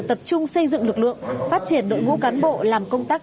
tập trung xây dựng lực lượng phát triển đội ngũ cán bộ làm công tác